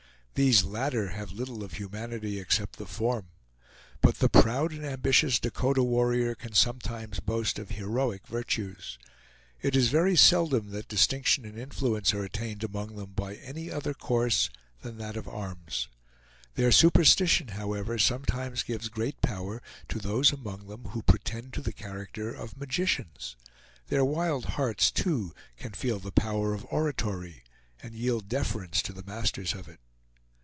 These latter have little of humanity except the form; but the proud and ambitious Dakota warrior can sometimes boast of heroic virtues. It is very seldom that distinction and influence are attained among them by any other course than that of arms. Their superstition, however, sometimes gives great power, to those among them who pretend to the character of magicians. Their wild hearts, too, can feel the power of oratory, and yield deference to the masters of it.